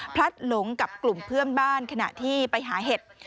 พลัดหลงกับกลุ่มเพื่อนบ้านขณะที่ไปหาเห็ด